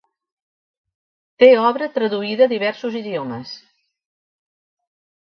Té obra traduïda a diversos idiomes.